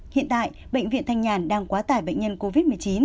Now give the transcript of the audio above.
hiện tại bệnh viện thanh nhàn đang quá tải bệnh nhân covid một mươi chín